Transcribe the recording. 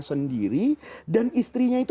sendiri dan istrinya itu